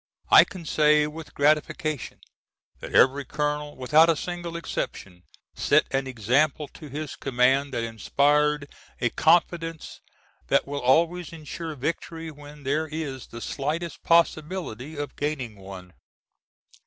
I can say with gratification that every Colonel without a single exception, set an example to his command that inspired a confidence that will always insure victory when there is the slightest possibility of gaining one.